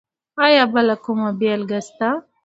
ایا بل کومه بېلګه شته؟